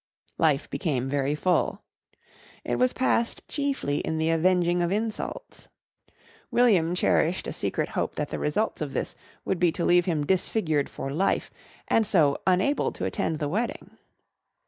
Life became very full. It was passed chiefly in the avenging of insults. William cherished a secret hope that the result of this would be to leave him disfigured for life and so unable to attend the wedding.